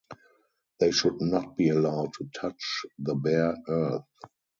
They should not be allowed to touch the bare earth.